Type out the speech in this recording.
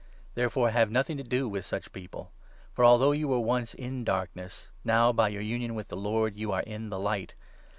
Therefore have nothing to do with such 7 people. For, although you were once in Darkness, now, by 8 your union with the Lord, you are in the Light.